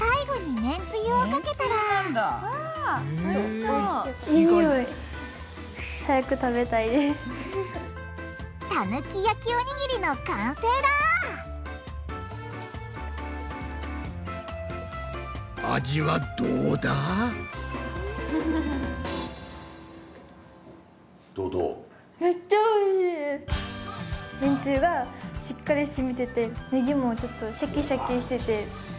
めんつゆがしっかりしみててねぎもちょっとシャキシャキしてて。